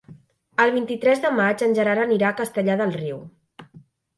El vint-i-tres de maig en Gerard anirà a Castellar del Riu.